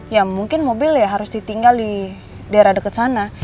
ya mungkin mobil ya harus ditinggal di daerah dekat sana